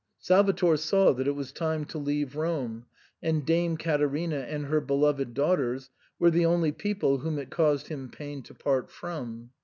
Salvator saw that it was time to leave Rome ; and Dame Caterina and her beloyed daughters were the only people whom it caused him pain to part from.